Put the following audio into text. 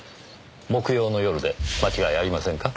木曜の夜で間違いありませんか？